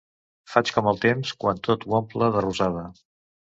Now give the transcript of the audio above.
Faig com el temps quan tot ho omple de rosada.